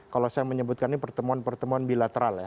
kalau saya menyebutkan ini pertemuan pertemuan bilateral ya